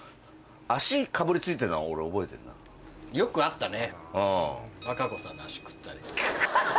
よくあったね